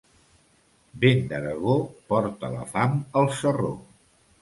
Vent d'Aragó porta la fam al sarró.